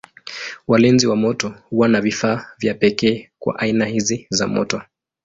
Walinzi wa moto huwa na vifaa vya pekee kwa aina hizi za moto.